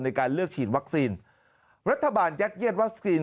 ในการเลือกฉีดวัคซีนรัฐบาลยัดเย็ดวัคซีน